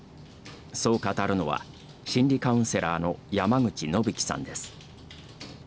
そう語るのは心理カウンセラーの山口修喜さんです。